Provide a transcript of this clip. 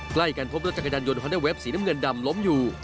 ใกล้กันพบรถจักรยานยนต์ฮอนเดอร์เฟฟสีน้ำเงินดำล้มอยู่